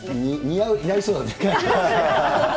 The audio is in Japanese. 似合いそうだね。